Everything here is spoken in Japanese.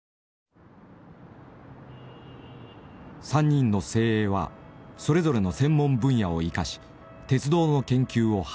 ３人の精鋭はそれぞれの専門分野を生かし鉄道の研究を始めた。